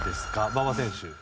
馬場選手。